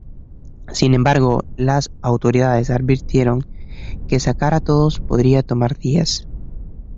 Sin embargo, las autoridades advirtieron que sacar a todos podría tomar días.